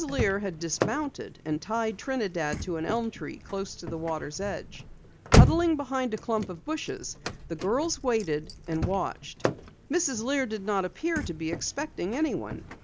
Lear had dismounted and tied Trinidad to an elm tree close to the water's edge. Huddling behind a clump of bushes, the girls waited and watched. Mrs. Lear did not appear to be expecting anyone.